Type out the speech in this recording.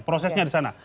prosesnya di sana